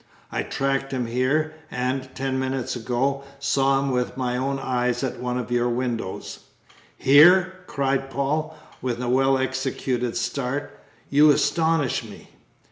I tracked him here, and, ten minutes ago, saw him with my own eyes at one of your windows. "Here!" cried Paul, with a well executed start; "you astonish me!"